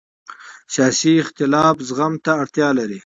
سیاسي اختلاف زغم ته اړتیا لري